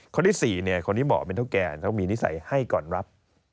คนที่๔คนที่เหมาะเป็นเท่าแก่ต้องมีนิสัยให้ก่อนรับ